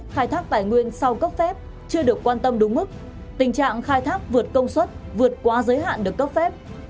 khai thác tài nguyên sau cấp phép chưa được quan tâm đúng mức tình trạng khai thác vượt công suất vượt quá giới hạn được cấp phép